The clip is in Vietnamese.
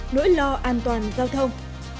nỗi lo an toàn giao thông